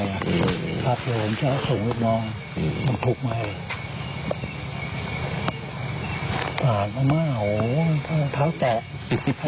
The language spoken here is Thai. ร้อยกว่าครูอ่าของเท้าหาเนี่ยแล้วก็กระแบบ